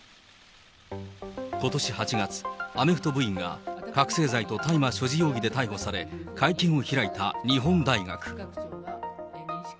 ことし８月、アメフト部員が覚醒剤と大麻所持容疑で逮捕され、会見を開いた日本大学。